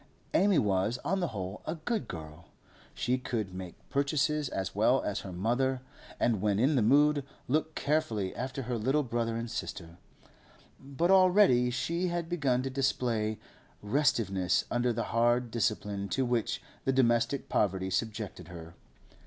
Amy was, on the whole, a good girl; she could make purchases as well as her mother, and when in the mood, look carefully after her little brother and sister; but already she had begun to display restiveness under the hard discipline to which the domestic poverty subjected her.